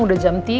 sudah jam tiga